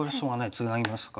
ツナぎますか？